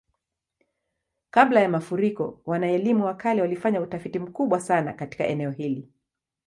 Kabla ya mafuriko, wana-elimu wa kale walifanya utafiti mkubwa sana katika eneo hili.